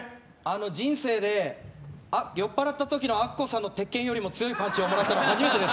人生で酔っ払ったときのアッコさんの鉄拳よりも強いパンチをくらったのは初めてです。